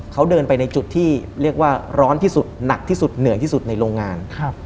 เขาเดินไปในจุดที่เรียกว่าร้อนที่สุดหนักที่สุดเหนื่อยที่สุดในโรงงาน